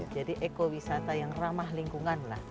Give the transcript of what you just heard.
jadi ekowisata yang ramah lingkungan lah